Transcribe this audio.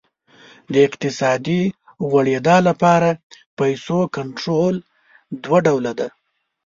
د اقتصادي غوړېدا لپاره پیسو کنټرول دوه ډوله دی.